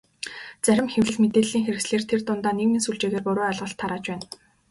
Зарим хэвлэл, мэдээллийн хэрэгслээр тэр дундаа нийгмийн сүлжээгээр буруу ойлголт тарааж байна.